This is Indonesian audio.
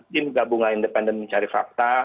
tim gabungan independen mencari fakta